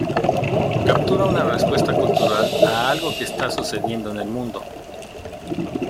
Captura una respuesta cultural a algo que está sucediendo en el mundo.